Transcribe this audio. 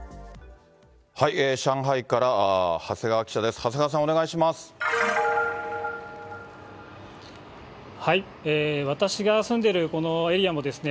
上海から長谷川記者です。